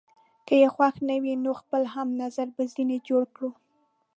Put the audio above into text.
که يې خوښ نه وي، نو خپل هم نظره به ځینې جوړ کړو.